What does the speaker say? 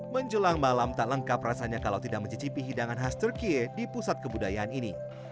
menjelang malam tak lengkap rasanya kalau tidak mencicipi hidangan khas turkiye di pusat kebudayaan ini